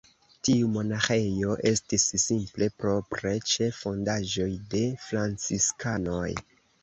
Tiu monaĥejo estis simple propre ĉe fondaĵoj de franciskanoj.